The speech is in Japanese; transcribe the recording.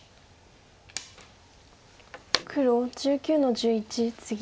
黒１９の十一ツギ。